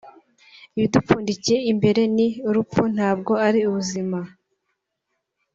Ibyo dupfundikiye imbere ni urupfu ntabwo ari ubuzima